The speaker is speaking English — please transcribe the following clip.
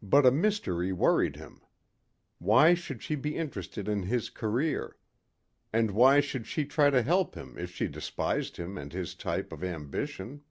But a mystery worried him. Why should she be interested in his career? And why should she try to help him if she despised him and his type of ambition?